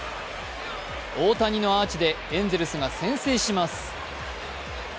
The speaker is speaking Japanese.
大谷のアーチでエンゼルスが先制します。